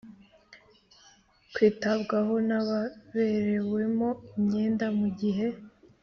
kwitabwaho n ababerewemo imyenda mu gihe